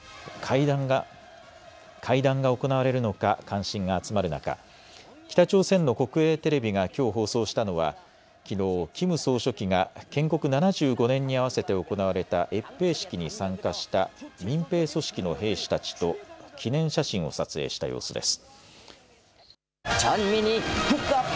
会談が行われるのか関心が集まる中、北朝鮮の国営テレビがきょう放送したのはきのうキム総書記が建国７５年に合わせて行われた閲兵式に参加した民兵組織の兵士たちと記念写真を撮影した様子です。